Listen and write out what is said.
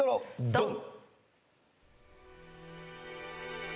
ドン！